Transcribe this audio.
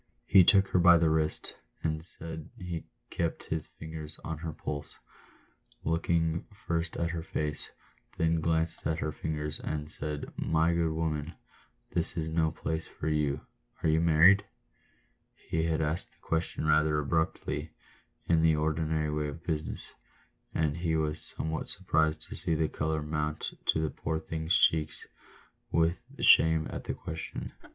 He took her by the wrist, and as he kept his fingers on her pulse, looked first at her face, then glanced at her figure, and said, " My good woman, this is no place for you — are you married?" He had asked the question rather abruptly — in the ordinary way of business — and he was somewhat surprised to see the colour mount to the poor thing's cheeks with shame at the question.